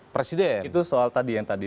presiden itu soal tadi yang tadi